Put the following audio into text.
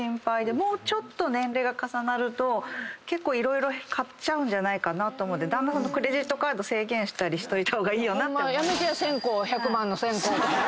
もうちょっと年齢が重なると結構色々買っちゃうんじゃないかなと思うんで旦那さんのクレジットカード制限しといた方がいいと思います。